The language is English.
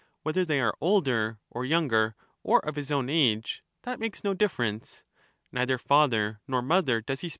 16 whether they are older or younger, or of his own age — that socrates, makes no difference; neither father nor mother does he Protarchus.